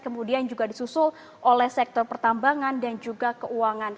kemudian juga disusul oleh sektor pertambangan dan juga keuangan